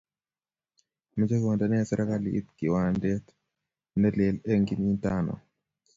mechei kondene serikalit kiwandet ne lel eng' kimintano.